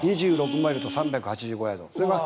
マイルと３８５ヤード。